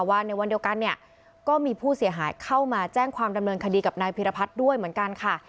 ว่าในวันเดียวกันเนี่ยก็มีผู้เสียหายเข้ามาแจ้งความดำเนินคดีกับนายพิรพัฒน์ด้วยเหมือนกันค่ะ